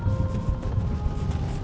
lo mau kemana sih